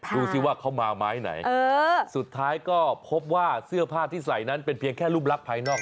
ดูสิว่าเขามาไม้ไหนสุดท้ายก็พบว่าเสื้อผ้าที่ใส่นั้นเป็นเพียงแค่รูปลักษณ์ภายนอก